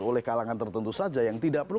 oleh kalangan tertentu saja yang tidak perlu